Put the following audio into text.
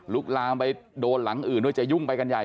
ลามไปโดนหลังอื่นด้วยจะยุ่งไปกันใหญ่